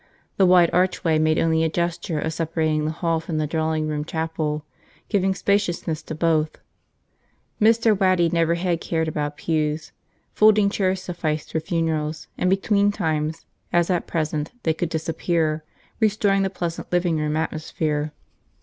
The wide archway made only a gesture of separating the hall from the drawing room chapel, giving spaciousness to both. Mr. Waddy never had cared about pews. Folding chairs sufficed for funerals and between times, as at present, they could disappear, restoring the pleasant living room atmosphere.